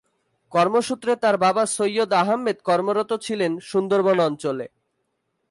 কর্মসূত্রে তার বাবা সৈয়দ আহমেদ কর্মরত ছিলেন সুন্দরবন অঞ্চলে।